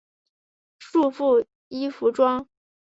束缚衣服装。